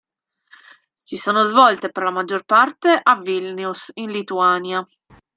Si sono svolte per la maggior parte a Vilnius, in Lituania.